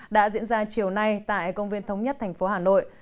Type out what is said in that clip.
đã diễn ra chiều nay tại công viên thống nhất tp hà nội